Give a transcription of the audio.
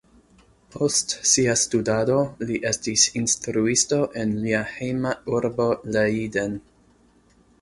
Post sia studado, li estis instruisto en lia hejma urbo Leiden.